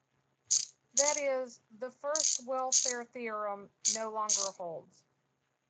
That is, the First Welfare Theorem no longer holds.